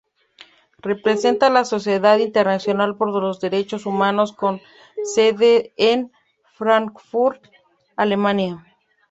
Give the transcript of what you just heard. Representa la Sociedad Internacional por los Derechos Humanos con sede en Frankfurt, Alemania.